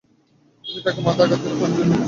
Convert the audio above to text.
তুমি তাকে মাথায় আঘাত করে পানিতে ডুবিয়ে দিয়েছো।